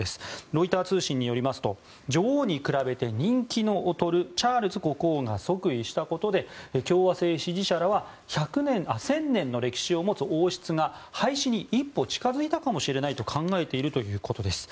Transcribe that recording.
ロイター通信によりますと女王に比べて人気の劣るチャールズ国王が即位したことで共和制支持者らは１０００年の歴史を持つ王室が廃止に一歩近付いたかもしれないと考えているということです。